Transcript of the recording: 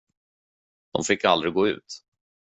De fick aldrig gå ut.